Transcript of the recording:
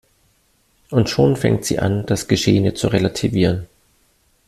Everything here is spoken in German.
Und schon fängt sie an, das Geschehene zu relativieren.